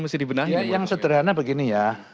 mesti dibenahi yang sederhana begini ya